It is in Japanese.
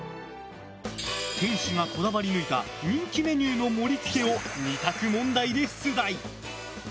店主がこだわり抜いた人気メニューの盛り付けを２択問題で出題！